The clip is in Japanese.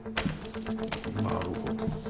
なるほど。